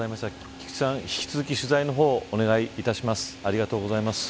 菊池さん、引き続き取材の方お願いいたします。